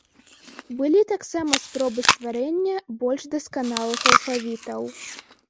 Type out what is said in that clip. Былі таксама спробы стварэння больш дасканалых алфавітаў.